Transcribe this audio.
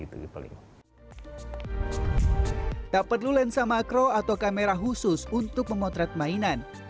tak perlu lensa makro atau kamera khusus untuk memotret mainan